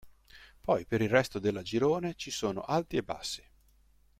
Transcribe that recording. Poi per il resto della girone ci sono alti e bassi.